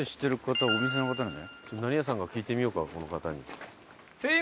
何屋さんか聞いてみようかこの方に。